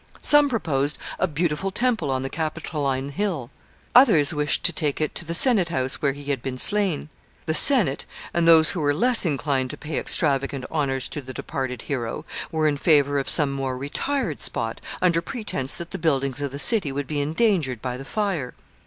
Some proposed a beautiful temple on the Capitoline Hill. Others wished to take it to the senate house, where he had been slain. The Senate, and those who were less inclined to pay extravagant honors to the departed hero, were in favor of some more retired spot, under pretense that the buildings of the city would be endangered by the fire.